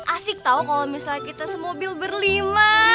asik tau kalo misalnya kita se mobil berlima